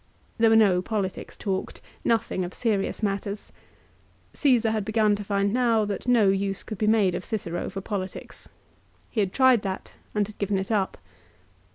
There were no politics talked, nothing of serious matters. Caesar had begun to find now that no use could be made of Cicero for politics. He had tried that and had given it up.